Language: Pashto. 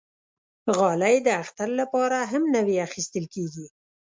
غالۍ د اختر لپاره هم نوی اخېستل کېږي.